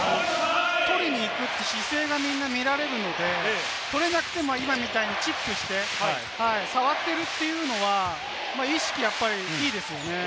取りに行くって姿勢がみんな見られるので、取れなくても今みたいにチップして触っているというのは、意識、やっぱりいいですよね。